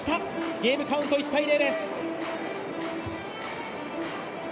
ゲームカウント１−０です。